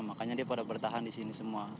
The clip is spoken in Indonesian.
makanya dia pada bertahan di sini semua